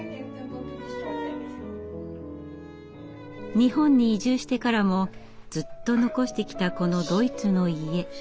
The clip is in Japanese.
日本に移住してからもずっと残してきたこのドイツの家。